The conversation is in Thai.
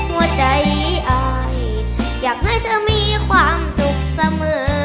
หัวใจอายอยากให้เธอมีความสุขเสมอ